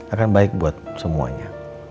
akan baik buat semuanya